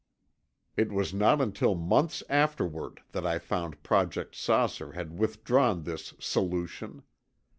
It was not until months afterward that I found Project "Saucer" had withdrawn this "solution."